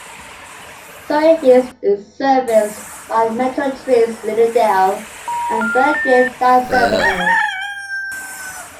Surrey Hills is serviced by Metro Trains' Lilydale and Belgrave line services.